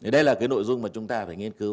đây là cái nội dung mà chúng ta phải nghiên cứu